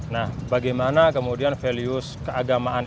nah bagaimana kemudian values keagamaan